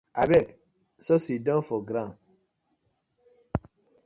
Abeg so sidon for ground.